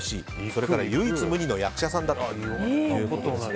それから唯一無二の役者さんだということで。